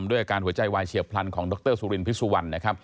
ด้วยอาการหัวใจวายเชียบพลันของดรสุรินทร์พิศวรรณ